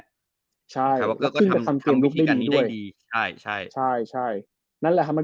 แล้วก็สิ้นเป็นการทำเกลียดรุ่นได้ดี